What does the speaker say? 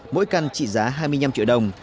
mỗi căn trị giá hai mươi năm triệu đồng